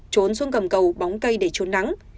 trốn xuống cầm cầu bóng cây để trốn nắng